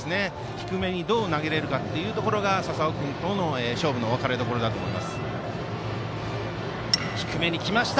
低めにどう投げられるかが笹尾君との勝負の分かれどころだと思います。